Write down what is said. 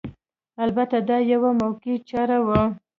البته دا یوه موقتي چاره وه